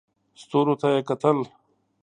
ستورو ته یې کتل.